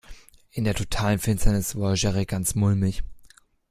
In der totalen Finsternis wurde Jerry ganz mulmig.